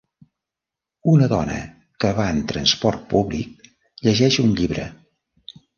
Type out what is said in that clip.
Una dona que va en transport públic llegeix un llibre.